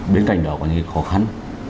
bên cạnh đó có những khó khăn